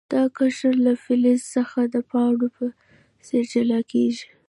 دا قشر له فلز څخه د پاڼو په څیر جلا کیږي.